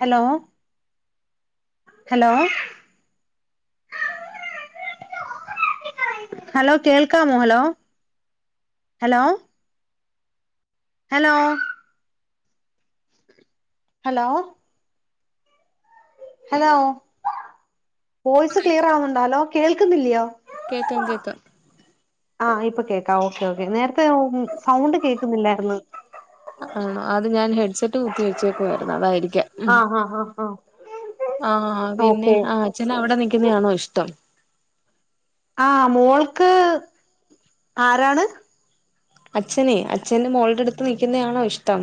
Hello hello hello കേൾക്കാമോ hello hello hello hello hello voice clear ആവുന്നുണ്ടാ hello കേൾക്കുന്നില്ലിയോ കേക്കാം കേക്കാം ആഹ് ഇപ്പ കേക്കാ ഓക്കേ ഓക്കേ നേരത്തെ ഓം സൗണ്ട് കേക്കുന്നില്ലായിര്ന്ന്. ആണോ അത് ഞാൻ ഹെഡ്സെറ്റ് കുത്തി വെച്ചേക്കുവാരുന്ന് അതായിരിക്കാം. ഉം ആഹ് ആഹ് ആഹ് ആഹ് ആഹ് പിന്നെ ഓക്കെ ആഹ് അച്ഛന് അവടെ നിക്കുന്നയാണോ ഇഷ്ടം? ആഹ് മോൾക്ക് ആരാണ് അച്ഛനെ അച്ഛന് മോൾടെടുത്ത് നിക്കുന്നയാണോ ഇഷ്ടം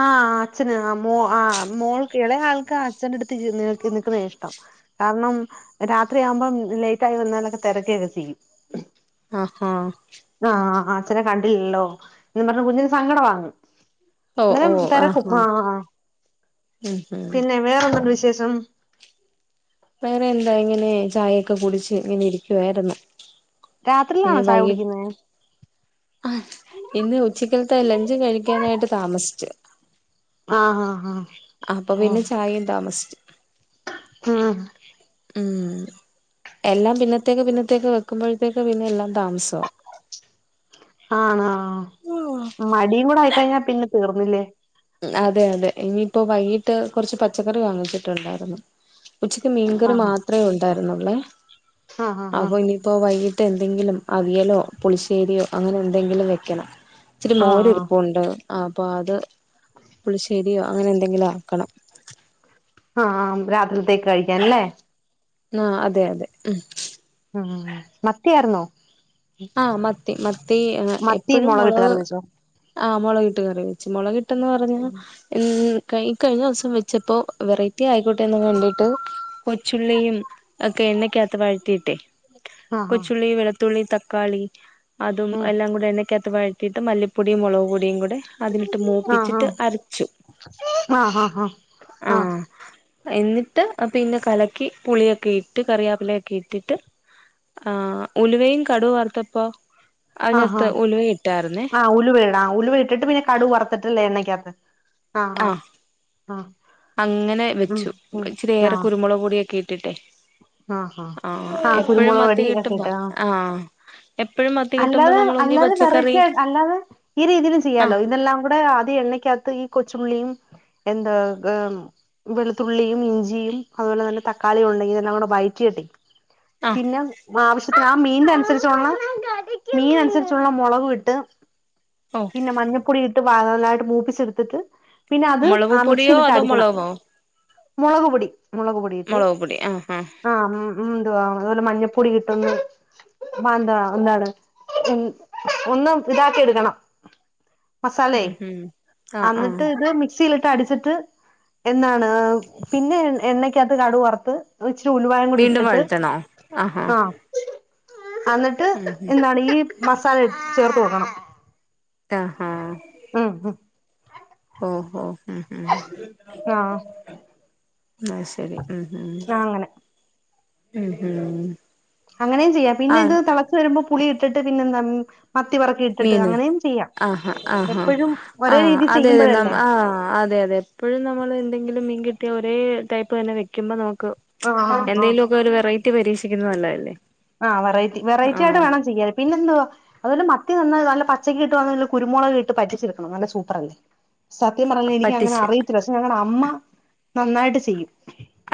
ആഹ് അച്ഛന് ആഹ് മോ ആഹ് മോൾക്ക് എളേ ആൾക്ക് അച്ഛന്റെട്ത്ത് ര് ന്‌ നിക്ക്ന്നെയാ ഇഷ്ടം കാര്ണം രാത്രിയാവുമ്പം ലെയ്റ്റായി വന്നാലൊക്കെ തെരെക്കെയെക്കെ ചെയ്യും ആഹ് ഹാ ച്ഛനെ കണ്ടിൽല്ലോ എന്ന് പർഞ്ഞ് കുഞ്ഞിന് സങ്കടവാങ്ങ് ഓ ഓ ന്നേരം തെരെക്കും ആഹാ ആഹ് ആഹ് ഉം ഉം പിന്നെ വേറെന്തുണ്ട് വിശെ ശേഷം വേറെ എന്താ ഇങ്ങനെ ചായയെക്കെ കുട്ച്ച് ഇങ്ങനെ ഇരിക്കുവായ്ര്ന്ന് രാത്രിൽലാണോ ചായ കുടിക്ക്ന്നെ ആഹ് ഇന്ന് ഉച്ചക്കൽത്തെ ലഞ്ച് കഴിക്കാനായിട്ട് താമസ്ച്ച് ആഹ് ആഹ് ഹാ അപ്പൊ പിന്നെ ചായെയും താമസ്ച്ച് ഉം ഊം എല്ലാം പിന്നത്തേക്ക് പിന്നത്തേക്ക് വെക്ക്മ്പഴ്ത്തേക്ക് പിന്നെ എല്ലാം താമസവാ ആണോ മടിയും കൂടെ ആയ്ക്കഴ്ഞ്ഞാ പിന്നെ തീർന്ന്ല്ലേ അതെ അതെ ഇനിയിപ്പാെ വൈകിട്ട് കൊർച്ച് പച്ചക്കറി വാങ്ങിച്ചിട്ടൊണ്ടാര്ന്നു ഉച്ചക്ക് മീൻകറി ആഹ് മാത്രേ ഒണ്ടായ്ര്ന്നാെള്ളേ ആഹ് ആഹ് അപ്പാെ ഇനീപ്പോ വയ്കി ട്ടെന്തെങ്കിലും അവിയലോ പുളിശ്ശേരിയോ അങ്ങനെ എന്തെങ്കിലും വെയ്ക്കണം ഇച്ച്രി ആഹ് മോര് ആഹ് ഇരിപ്പുണ്ട് ആപ്പൊ അത് പുളിശ്ശേരിയോ അങ്ങനെ എന്തെങ്കിലും ആക്കണം ആഹ് ആം രാത്രിൽതേ കഴിക്കാൻ ല്ലെ ആ അതെ അതെ ഉം ഉം മത്തിയാര്ന്നോ? ആഹ് മത്തി മത്തി ഏഹ് മത്തി എപ്പഴും മുളകിട്ട് മൊളക് കറി വെച്ചോ ആഹ് മൊളകിട്ട് കറി വെച്ച് മൊളകിട്ടെന്ന് പറഞ്ഞാ [unintelligible] കയ് ഇ കഴിഞ്ഞ ദോസം വെച്ചപ്പോ വെറൈറ്റി ആയിക്കോട്ടെന്നുള്ളെ കൊണ്ട്ട്ട് കൊച്ചുള്ളിയും അക്കെ എണ്ണക്കാകത്ത് വഴറ്റീട്ടേ ആഹ് കൊച്ചുള്ളി, വെളുത്തുള്ളി, തക്കാളി അതും ആഹ് എല്ലാം കൂടെ എണ്ണക്കാത്ത് ഇത്ത് വഴത്തിയിട്ട് മല്ലിപ്പൊടീം മുളക് പൊടീം കൂടെ അതിലിട്ട് ഉം ആഹ് മൂപ്പിച്ചിട്ട് അരച്ചു ആഹ് ആഹ് ആഹ് ആഹ് ആഹ്‌ എന്നിട്ട് പിന്നെ കലക്കി പുളിയൊക്കെ ഇട്ട് കറിയാപ്പിലേക്കെ ഇട്ടിട്ട് ആ ഉലുവയും കടുവറുത്തപ്പോ ആ ഹാ ആ ഉലുവേടാ ഉലുവ ഇട്ടിട്ട് പിന്നെ കടു വറുത്തിട്ടല്ലേ എണ്ണക്കാത്ത് ആ അങ്ങനെ ഉം വെച്ചു ഇച്ചിരിയേറെ കുരുമുളക് പൊടിയൊക്കെ ഇട്ടിട്ടെ ആ ഹ ആഹ് എപ്പഴും കുരുമുളക് മത്തി പൊടി കിട്ടുമ്പോ ഒക്കെയിട്ട് ആ എപ്പഴും മത്തി കിട്ടുമ്പോ അല്ലാതെ നമ്മൾ ഒന്നീ അല്ലാതെ പച്ചക്കറി വെറേറ്റി അല്ലാതെ ഈ രീതില് ആ ചെയ്യാലോ ഇതെല്ലാം കൂടെ ആദ്യ എണ്ണക്കാത്ത് കൊച്ചുമുള്ളിയും എന്താ ക് ഉം വെളുത്തുള്ളിയും ഇഞ്ചിയും അതുപോലെ തന്നെ തക്കാളിയുണ്ടെങ്കില് ല്ലാം കൂട വയറ്റിട്ടേ ആ പിന്ന ആവശ്യത്തിന് ആഹ്‌ മീന് അസരിച്ചുള്ള മീൻ അനുസരിച്ചുള്ള മുളകും ഇട്ട് ഓ പിന്ന മഞ്ഞൾപ്പൊടി ഇട്ട് വ നല്ലായിട്ട് മൂപ്പിച്ചെടുത്തിട്ട് പിന്നെ അത് മുളക് ആ പൊടിയോ മിക്സിലിട്ട് അതോ അടിക്കണം മുളകോ മുളക്പൊടി മുളക്പൊടിയിട്ട് മുളക് പൊടി ആ ആ മ് മ്ന്തുവാ അതുപോലെ മഞ്ഞപ്പൊടി ഇട്ടൊന്നു ബാന്ധാ എന്താണ് ഉം ഒന്നും ഇതാക്കി എടുക്കണം മസാലേ ഉം ഉം ആ ആ അന്നിട്ട്ത് മിക്സീല് ട്ടടിച്ചിട്ട് എന്നാണ് പിന്നെ എണ്ണ അകത്ത് കടു വറുത്തു വെച്ച് ച്ചു ഉലുവായും കൂടി വീണ്ടും ഇട്ടിട്ട് വഴറ്റണോ ആഹാ ആ അന്നിട്ട് ഉം ഉം എന്താണ് ഈ മസാല ചേർത്തു കൊടുക്കണം റ്റാഹാ ഉം ഉം ഓഹോ ഉം ഉം ആഹ് ആ ശരി ഉം ഉം ആഹ് അങ്ങനെ ഉം ഉം അങ്ങനെയും ചെയ്യാം പിന്നെ ആ ഇത് തെളച്ചു വരുമ്പോ പുളി ഇട്ടിട്ട് പിന്നെ എന്താണ് മീന് ആ ഹ ആ ഹ എപ്പഴും ആ ആ ഒരേ രീതി അതെതെ ന ചെയ്യുമ്പോഴല്ലേ ആ അതെ അതെ അതെ എപ്പഴും നമ്മള് എന്തെങ്കിലും മീങ്കികി ട്ട്യാ ഒരേ ടൈപ്പ് തന്നെ വെക്കുമ്പം നമുക്ക് ആഹ് ആഹ് ആഹ് എന്തേലൊക്ക ഒരു വെറൈറ്റി പരീക്ഷിക്കുന്ന നല്ല അല്ലേ ആ വെറൈറ്റി വെറൈറ്റി ആയിട്ട് വേണം ചെയ്യാന് പിന്നെ എന്തുവാ അതൊല്ല മ ത്തി നന്ന നല്ല പച്ചക്കിട്ടുവാന്നേല് കുരുമൊളകിട്ട് വറ്റിച്ചെടുക്കണം നല്ല സൂപ്പർ അയിരി- സത്യം പറഞ്ഞാ എനിക്ക് അങ്ങനെ പറ്റിച്ച് അറിയിത്തില്ല പക്ഷെ ഞങ്ങള അമ്മ നന്നായിട്ട് ചെയ്യും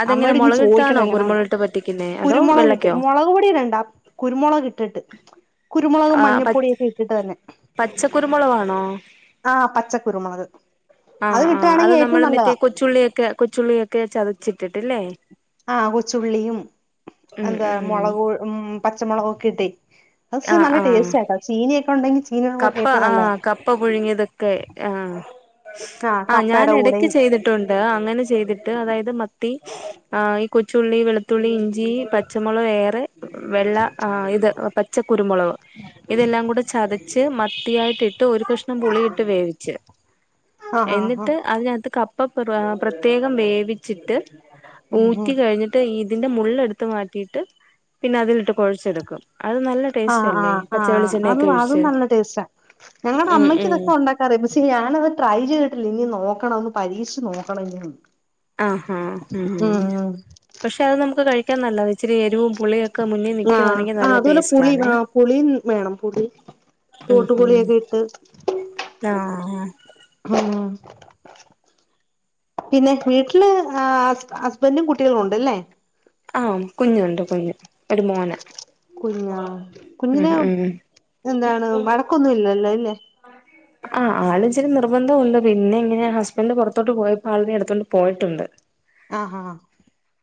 അതെങ്ങനെ അമ്മയോട് ഇന്നി ചോദിക്കണ മുളകിട്ടാണോ എങ്ങനാന്ന് കുരുമുളകിട്ട് പറ്റിക്കുന്നേ അതോ കുരുമുളകിട്ട് വെള്ളക്കോ മൊളക്പൊടി ടി ഇടണ്ടാ കുരുമുളകിട്ടിട്ട് കുരുമുളകും ആഹ് പ മഞ്ഞപ്പൊടിയൊക്കെ ഇട്ടിട്ട് തന്നെ പച്ചക്കുരുമുളകാണോ ആഹ് പച്ചക്കുരുമുളക് ആഹ് ആഹ് അത് നമ്മള് മറ്റേ കൊച്ചുള്ളിയൊക്കെ കൊച്ചുള്ളിയൊക്കെ ചതച്ചിട്ടിട്ടില്ലേ ആഹ് കൊച്ചുള്ളിയും ഉം എന്താ ഉം മൊളക് പൊ മ് പച്ചമുളകൊക്കെ ഇട്ടെ അത്‌ശേ ആഹ് നല്ല ആഹ് ടേസ്റ്റായിട്ട ചീനൊയൊക്കെ ഉണ്ടെങ്കി ചീനിയുടെ കൂടെ കപ്പ ഏറ്റവും ആ നല്ലതാ കപ്പ പുഴുങ്ങിയതൊക്കെ ആ ആ ഞാൻ കപ്പയുടെ ഇടക്ക് കൂടെയും ചെയ്തിട്ടുണ്ട് ആ അങ്ങനെ ചെയ്തിട്ട് അതായത് മത്തി ആ ഈ കൊച്ചുള്ളി വെളുത്തുള്ളി ഇഞ്ചി പച്ചമുളക് ഏറെ വെള്ള ആ ഇത് കുരുമുളക് ഇതെല്ലാം കൂടെ ചത ച്ച് മത്തിയായിട്ടിട്ട് ഒരു കഷ്ണം പുളിയിട്ട് വേവിച്ച് ആ ആ ആ എന്നിട്ട് അതിനകത്ത് കപ്പ പെറുവാ പ്രത്യേകം വേവിച്ചിട്ട് ഉം ഊറ്റി കഴിഞ്ഞിട്ട് ഇതിന്റെ മുളെളടുത്ത് മാറ്റിയിട്ട് പിന്നെ അതിലിട്ട് കൊഴച്ചെടുക്കും അത് നല്ല ടേസ്റ്റ് ആഹ് അല്ലേ ആഹ് ആഹ് അത് പച്ചവെളിച്ചെണ്ണയൊക്കെ അതും ഒഴിച്ച് നല്ല ടേസ്റ്റാ ഞങ്ങൾടെ ഉം അമ്മയ്ക്ക് ഉം ഇതൊക്കെ ഉണ്ടാക്കറിയാം പക്ഷെ ഞാനത് ട്രൈ ചെയ്തി ഇനി നോക്കണം ഒന്ന് പരീക്ഷ്നോക്കണം ഇനീം ആ ആ ഉം പക്ഷെ അത് നമുക്ക് കഴിക്കാൻ നല്ലതാ ഇച്ചിരി എരിവും പുളിയൊക്കെ ഒക്ക മുന്നിൽ ആഹ് നിക്കുവാണെങ്കിൽ ആഹ് നല്ല അതുപോലെ ടേസ്റ്റ് പുളി ആണ് ആഹ് പുളിയും വേണം പുളി ഉം ഉം തോട്ടുപുളിയൊക്കെ ഇട്ട് ആ ആ ഹ പിന്നെ വീട്ടില് അഹസ്ബൻ്റും കുട്ടികളും ഉണ്ടല്ലേ ആ കുഞ്ഞുണ്ട് കുഞ്ഞ് ഒരു മോനാ കുഞ്ഞാ കുഞ്ഞിനെ എന്താണ് വടക്കൊന്നും ഇല്ലല്ലോ അല്ലേ [inaudible] ആ ആള് ഇച്ചിരി നിർബന്ധമുണ്ട് പിന്നെ ഇങ്ങനെ ഹസ്ബൻ്റ് പുറത്തോട്ട് പോയപ്പോ ആളിനെ എടുത്തോണ്ട് പോയിട്ടുണ്ട് ആ ആ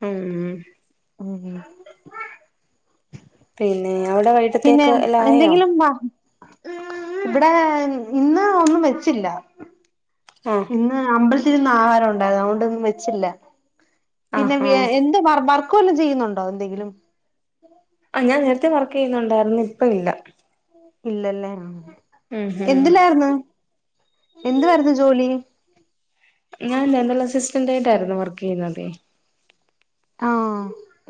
ഉം ഉം ഉം [unintelligible] പിന്നെ അവിടെ പിന്നെ വൈകിട്ടത്തേക്ക് എല്ലാം ആയോ എന്തെങ്കിലും മറ ഇവിടെ ഇന്ന് ഒന്നും വെച്ചില്ല ആഹ് ഇന്ന് അമ്പലത്തില് ആഹാരം ഉണ്ടായിരുന്നു അതുകൊണ്ട് ഒന്നും വെച്ചില്ല പിന്നെ ആഹാ മിയ എന്ത് വർക്ക് വല്ലതും ചെയ്യുന്നുണ്ടോ എന്തെങ്കിലും ആ ഞാൻ നേരത്തെ വർക്ക് ചെയ്യുന്നുണ്ടായിരുന്നു ഇപ്പം ഇല്ല ഇല്ലല്ലേ എ ഉം ഉം എന്തില്ലായിരുന്നു എന്തായിരുന്നു ജോലി ഞാൻ ദന്തൽ അസിസ്റ്റന്റ് ആയിട്ടായിരുന്നു വർക്ക് ചെയ്യ്ണത് ആഹ്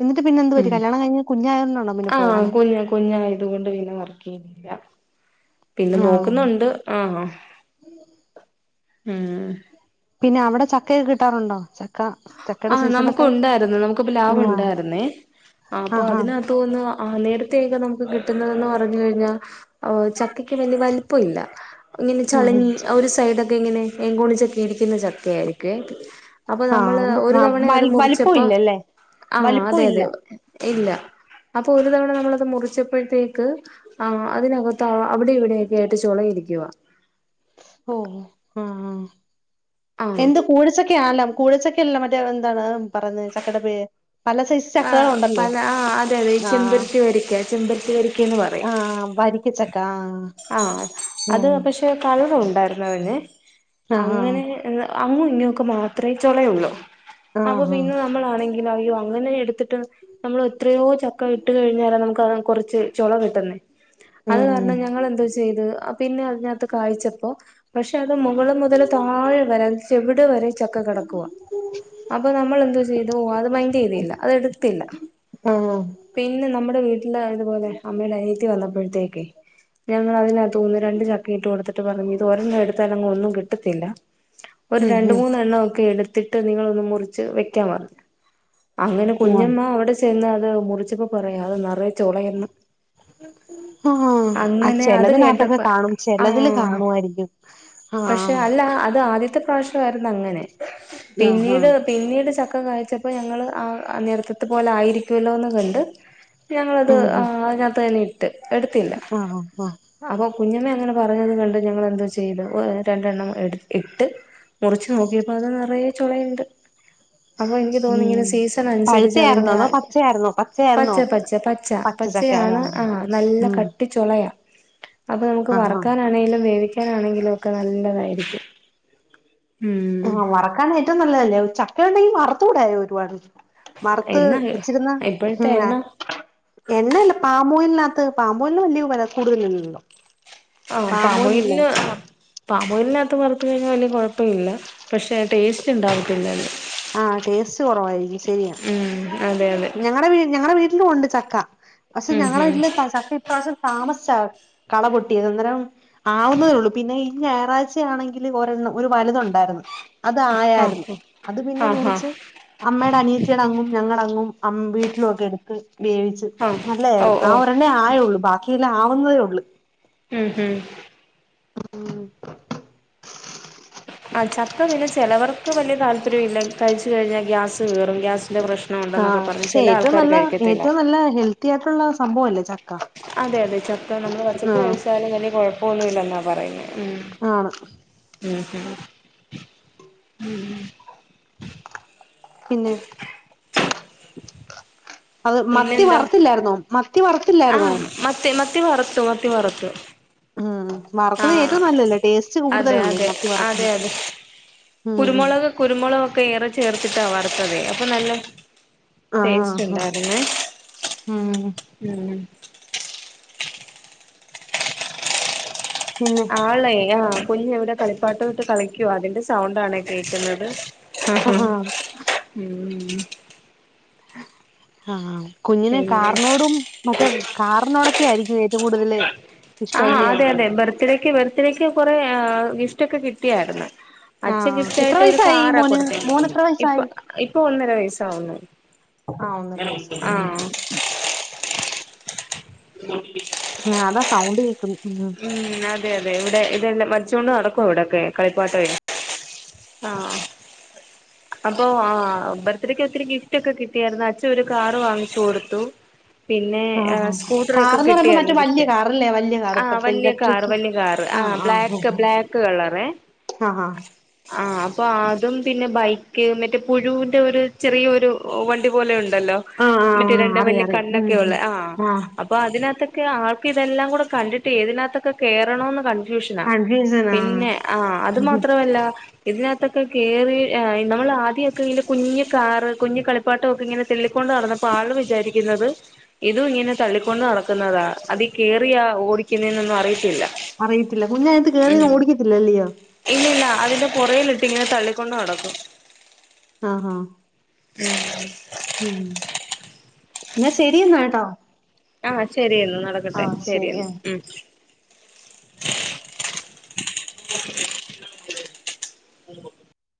എന്നിട്ട് പിന്നെ എന്ത് ഉം പറ്റി കല്യാണം കഴിഞ്ഞ് കുഞ്ഞായോണ്ടാണോ പിന്നെ ആ പോവാന് കുഞ്ഞ് കുഞ്ഞ് ആതുകൊണ്ട് പിന്നെ വർക്ക് ചെയിണി പിന്നെ ആഹ് നോക്കുന്നുണ്ട് ആ ഉം പിന്നെ അവിടെ ചക്കൊക്കെ കിട്ടാറുണ്ടോ ച ആ നമുക്ക് ഉണ്ടായിരുന്നു നമുക്ക് പ്ലാവ് ആഹ് ഉണ്ടായിരുന്നേ അപ്പൊ ആഹ് ആഹ് അതിനകത്തുന്ന് ആ നേരത്തേക്കെ നമുക്ക് കിട്ടുന്നതെന്ന് പറഞ്ഞു കഴിഞ്ഞാൽ ചക്കയ്ക്ക് വലിയ വലിപ്പം ഇല്ല ഇങ്ങനെ ഉം ചളിങ്ങി ഒരു സൈഡ് ഒക്കെ ഇതങ്ങെനെ ഏങ്കോളിച്ചക്ക ഇടിക്കുന്ന ചക്ക ആായിരിക്കും അപ്പൊ നമ്മള് ഉം ഒരു ആഹ് തവണ അത് വലിപ്പം മുറിച്ചപ്പോ ഇല്ലല്ലേ ആ വലിപ്പം അതെ ഇല്ല അതെ ഇല്ല അപ്പൊ ഒരു തവണ നമ്മളത് മുറിച്ചപ്പോഴത്തേക്ക് അതിനകത്ത് അവിടെ ഇവിടെക്കെയായിട്ട് ചൊളയിരിക്കും ഇവ ഓ ആ ആഹ് എന്ത് കൂടച്ചക്ക ക്കാല്ലാം കൂടച്ചക്കെല്ല മറ്റേ എന്താണ് പറയന്ന് ചക്കയുടെ പേര് പല സൈസ് ആ ചക്കകളുണ്ടല്ലോ പല ആ അതെ അതെ ആഹ് ചെമ്പരത്തി വരിക്ക ചെമ്പരത്തി വരിക്കന്ന് പറയും ആഹ് വരിക്കച്ചക്ക ആ ആ അത് പക്ഷെ കളറ് ഉണ്ടായിരുന്നോ പിന്നെ ആഹ് അങ്ങനെ അങ്ങും ഇങ്ങൊക്കെ മാത്രമേ ചൊളയള്ളൂ ആഹ് അപ്പൊ പിന്നെ നമ്മളാണെങ്കി പിന്നെ അയ്യോ അങ്ങനെ എടുക്ക ഇട്ടിട്ട് നമ്മൾ എത്രയോ ചക്ക ഇട്ട് കഴിഞ്ഞാല നമുക്ക് കുറച്ച് ചൊള കിട്ടുന്നേ അത് ഉം കാരണം ഞങ്ങളാ എന്തോ ചെയ്ത് പിന്നെ അതിനകത്ത് കായ്ച്ചപ്പോ പക്ഷെ അത് മുകളൾ മുതൽ താഴെ വരെ ചുവട് വരെ ചക്ക കെടപ്പുണ്ട് അപ്പൊ നമ്മൾ എന്തോ ചെയ്തു അത് മൈൻഡ് ചെയ്തില്ല അത് എടുത്തില്ല ഓ വീട്ടിലായതുപോലെ അമ്മയുടെ അനിഴത്തി വന്നപ്പോഴത്തേക്ക് ഞങ്ങള് അതിനകത്തുന്ന് രണ്ട് ചക്കയിട്ട് കൊടുത്തിട്ട് പറഞ്ഞു ഇത് ഒരണ്ണം എടുത്താലൊന്നും ഒന്നും കിട്ടത്തില്ല ഒരു ഉം രണ്ട് ഉം മൂന്നെണ്ണം ഒക്കെ എടുത്തിട്ട് നിങ്ങളൊന്ന് മുറിച്ച് വെക്കാൻ പറഞ്ഞു അങ്ങനെ ആഹ് കുഞ്ഞമ്മ അവിടെ ചെന്ന് അത് മുറിച്ചപ്പോ പറയാ അത് നിറയെ ചൊളയന്ന് ആ അത് ചിലതിനകത്തൊക്കെ കേട്ടപ്പ കാണും ചിലതിൽ ആഹ് കാണുമായിരിക്കും പക്ഷെ അല്ല അത് ആദ്യത്തെ ആദ്യത്തെ പ്രാവശ്യമായിരുന്നു അങ്ങനെ ആഹ് പിന്നീട് ആഹ് പിന്നീട് ചക്ക കഴിച്ചപ്പോ ഞങ്ങള് ആ നേരത്തത്തെ പോലെയിരിക്കുമല്ലോന്ന് കണ്ട് ഞങ്ങളത് ഉം അതിനകത്ത് തന്നെ എടുത്തീല്ല ആഹ് ആഹ് അപ്പൊ കുഞ്ഞമ്മ അങ്ങനെ പറഞ്ഞത് കണ്ട് ഞങ്ങളെന്തോ ചെയ്തു ഓ രണ്ടെണ്ണം എട് ഇട്ട് മുറിച്ചു നോക്കിയപ്പോ അത് നിറയെ ചുളയുണ്ട് അപ്പൊ എനിക്ക് തോന്നിങ്ങനെ ഉം പഴുത്തയായിരുന്നോ അതോ [unintelligible] പച്ചയായിരുന്നോ പച്ചയായിരുന്നോ പച്ചപ്പച്ച പച്ച പച്ചച്ചക്ക പച്ചയാണ് ആഹ് ആ നല്ല ഉം കട്ടി ചൊളയ അപ്പോ നമുക്ക് ആഹ് വറക്കാനാണേലും വേവിക്കാനാണെങ്കിലും ഒക്കെ നല്ലതായിരിക്കും ഉം ആഹ് വറക്കാൻ ഏറ്റവും നല്ലതല്ലേ ചക്ക ഉണ്ടെങ്കി വറുത്തൂടായോ ഒരുപാട് വറുത്ത് എണ്ണ വെച്ചിരുന്ന ഹ് ഇപ്പോഴത്തെ മ് ആ എണ്ണ എണ്ണല്ല പാമൊയിലിനകത്ത് പാമൊയിലിന് വലിയ വില കൂടുതലില്ലലോ ആഹ് പമൊയിലിന് ആ പാ ഓയിലിനകത്ത് വറുത്ത് കഴിഞ്ഞാൽ വലിയ കുഴപ്പമില്ല പക്ഷേ ടേസ്റ്റ് ഉണ്ടാകത്തില്ലല്ലോ ആഹ് ടേസ്റ്റ് കുറവായിരിക്കും ശരിയാ ഉം അതെ അതെ ഞങ്ങടെ വീ ഞങ്ങടെ വീട്ടിലും ഉണ്ട് ചക്ക പക്ഷെ ഉം ഞങ്ങള ഉം വീട്ടില് ത ചക്ക ഇപ്രാവശ്യം താമസിച്ചാ കള പൊട്ടിയത് അന്നേരം ആവുന്നതേള്ളൂ പിന്നെ ഈ ഞായറാഴ്ചയാണെങ്കിൽ ഒരെണ്ണം ഒരു വലുതുണ്ട് തായിരുന്നു അത് ആയായിരുന്നു ആഹ് അത് പിന്നെ ആഹ് ആഹ് മുറിച്ച് അമ്മടെ അനിയത്തിയുടെ അങ്ങും ഞങ്ങ ആ മ് വീട്ടിലൊക്കെ എടുത്ത് വേവിച്ച് ആഹ് ഓ നല്ലായിരുന്നു ഓ ആ ഒരെണ്ണേ ആയുള്ളൂ ബാക്കി ഇല്ല ആവുന്നതേ ഉള്ളൂ ഉം ഉം [unintelligible] ഉം ആഹ് ചക്ക പിന്നെ ചെലവർക്ക് വലിയ താല്പര്യം ഇല്ല കഴിച്ചു കഴിഞ്ഞാൽ ഗ്യാസ് കേറും ഗ്യാസ് ആഹ് പക്ഷെ ഏറ്റവും നല്ല കഴിക്കത്തില്ല ഏറ്റവും നല്ല ഹെൽത്തി ആയിട്ടുള്ള സംഭവ അല്ലേ ച അതെ അതെ ചക്ക നമ്മള് പച്ചക്ക് ആഹ് കഴിച്ചാലും വല്ല കുഴപ്പമൊന്നുമില്ലെന്നാ പറയുന്നേ ഉം ആണ് ഉം ഉം പിന്നെ [inaudible] അത് മത്തി പിന്നെന്താ വറത്തില്ലായിരുന്നോ മത്ത് ആഹ് മത്തി മത്തി വറത്തു മത്തി വറുത്തു ഉം വറക്കുന്നത് ആഹ് ഏറ്റവും നല്ലല്ലേ ടേസ്റ്റ് അതെ കൂടുതലല്ലേ അതെ മത്തി അതെ വറക്കുമ്പോ അതെ ഉം ഉം കുരുമുളക് കുരുമുളകൊക്കെ ഏറെ ചേർത്തിട്ടാ വറുത്തത് അപ്പൊ നല്ല ടേസ്റ്റ് ആഹ് ഉണ്ടായിരുന്നു ഉം ഉം പിന്നെ ആളെ ആ കുഞ്ഞ് ഇവിടെ കളിപ്പാട്ടം ഇട്ട് കളിക്കുവാ അതിന്റെ സൗണ്ടാണേ ക്കേക്കുന്നത് ആഹ്ഹാ ആഹാ ഉം ആഹ് കുഞ്ഞിന് പിന്നെ കാറ്നോടും മറ്റേ കാറിനോടൊക് ഒക്ക്യായിരിക്കും ഏറ്റവും കൂടുതല് ഇഷ്ടം ആഹ് ഇല്ലയോ അതെ അതെ ബർത്ത്ഡേക്ക്യ് ബർത്ത്ഡേക്ക്യ് കൊറേ ഏഹ് ഗിഫ്റ്റ് ഒക്കെ കിട്ടിയായിര്ന്നു അച്ഛ ആഹ് ഗിഫ്റ്റ് എത്ര ആയിട്ട് ഒരു വയസ്സായി കാറാ മോന് മോന് കൊടുത്തിരിക്കുന്നേ എത്ര ഇപ്പൊ വയസ്സായി ഇപ്പൊ ഒന്നര വയസാവുന്നു ആഹ് ഒന്നര വയസ്സ് ഉം ആഹ് ആഹ്. അതാ സൗണ്ട് കേക്കും ഉം അതെ അതെ ഇവിടെ ഇതെല്ല പച്വ ള്ള അടക്കൊ അവിടൊക്കെ കളിപ്പാട്ടേയ് ആഹ് അപ്പൊ ആഹ് ബർത്ത്ഡെക്ക് ഒത്തിരി ഗിഫ്റ്റ് ഒക്കെ കിട്ടിയായിരുന്നു അച്ഛ ഒരു കാറ് വാങ്ങിച്ചു കൊടുത്തു പിന്നെ ആഹ് ഹ് ആഹ് സ്കൂട്ട്ര ഒക്കെ കാർന്ന് പറയുമ്പോ മറ്റേ കിട്ടിയാര്ന്നു വല്യ ഗിഫ്റ്റ് കാറല്ലേ വല്യ കാർ ആ ഇപ്പഴത്തെ വല്ല്യ കാറ് ഇലക്ട്രിക് വല്ല്യ കാറ് ആ ബ്ലാക്ക് ബ്ലാക്ക് കളറേ അഹ് ഹാ ആഹ് അപ്പൊ അതും പിന്നെ ബൈക്ക് മറ്റേ പുഴൂന്റെ ഒരു ചെറീയ ഒരു വണ്ടി പോലെ ഉണ്ട് ണ്ടല്ലോ ആഹ് ഇന്നട്ട് ആഹ് ആഹ് രണ്ട് അറിയാം വല്യ അറിയാം ഉം കണ്ണൊക്കെ ഉള്ള് ആഹ് അപ്പൊ അതിനഅത്ത് ക്കെ ആൾക്ക് ഇതെല്ലാം കൂടെ കണ്ടിട്ട് ഏതിനഅത്തൊക്കെ കേറൊണോന്ന് കൺഫ് ഫ്യൂഷ്നാ കൺഫ്യൂഷനാ പിന്നെ ആഹ് അത് മാത്രവല്ല ഇതിനകത്തൊക്കെ കേറി നമ്മള് ഈ ആദ്യമൊക്കെ ഇന്റെ കുഞ്ഞു കാറ് കുഞ്ഞു കളിപ്പാട്ടൊക്കെ ഇങ്ങനെ തെള്ളിക്കൊണ്ട്. നടന്നപ്പോ ആള് വിചാരിക്കുന്നത് ഇതും ഇങ്ങനെ തള്ളിക്കൊണ്ട് നടക്കുന്നതാ അതി കേറിയ ഓടി ക്കുന്നെന്നൊന്നും അറിയത്തില്ല. അറിയിത്തില്ല കുഞ്ഞതിനകത്തു കേറിയിരുന്നു ഓടിക്കത്തില്ലല്ലയോ. പുറകിലിട്ടിങ്ങനെ തള്ളിക്കൊണ്ട് നടക്കും. ആഹ് ഹഹ. ഉം. എന്നാ ശെരിയ എന്നാട്ടോ. ആഹ ശരിയെന്നു നടക്കട്ടെ ആഹ് ശരിയെന്നു ഉ്. [inaudible] [unintelligible]